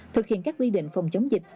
thực hiện các quy định phòng chống dịch